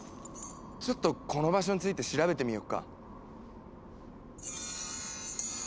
ちょっとこの場所について調べてみようか。